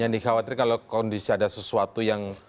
yang dikhawatirkan kalau kondisi ada sesuatu yang